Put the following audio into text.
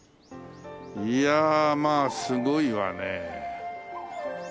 いやまあすごいわね。